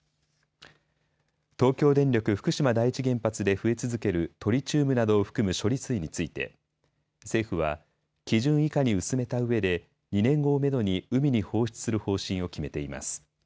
東京電力福島第一原発で増え続けるトリチウムなどを含む処理水について政府は基準以下に薄めたうえで２年後をめどに海に放出する方針を決めています。